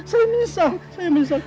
saya menyesal saya menyesal